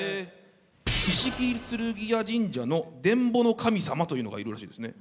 石切劔箭神社の「でんぼの神様」というのがいるらしいですね。